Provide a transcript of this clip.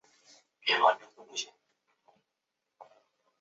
后因兴建屯门公路分为南北两部份。